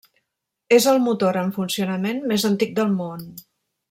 És el motor en funcionament més antic del món.